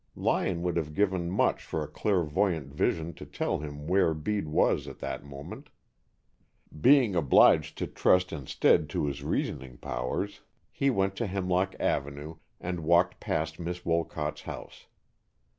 Lyon would have given much for a clairvoyant vision to tell him where Bede was at that moment. Being obliged to trust instead to his reasoning powers, he went to Hemlock Avenue, and walked past Miss Wolcott's house.